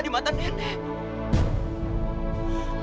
di mata nenek